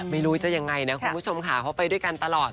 ไม่รู้จะยังไงนะคุณผู้ชมค่ะเขาไปด้วยกันตลอด